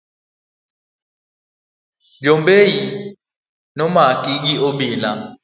Nyombei no maki gi obila.